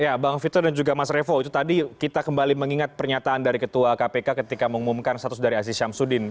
ya bang vito dan juga mas revo itu tadi kita kembali mengingat pernyataan dari ketua kpk ketika mengumumkan status dari aziz syamsuddin